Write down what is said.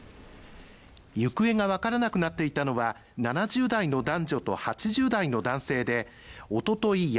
行方がわからなくなっていたのは７０代の男女と８０代の男性でおととい